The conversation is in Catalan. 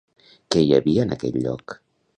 Què hi havia en aquell lloc?